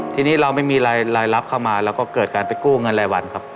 ทีนี้เราไม่มีรายรับเข้ามาเราก็เกิดการไปกู้เงินรายวันครับ